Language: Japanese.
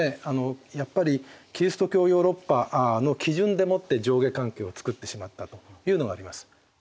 やっぱりキリスト教ヨーロッパの基準でもって上下関係を作ってしまったというのがあります。